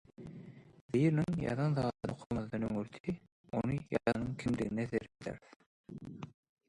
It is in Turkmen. biriniň ýazan zadyny okamazdan öňürrti ony ýazanyň kimdigine seredýäris.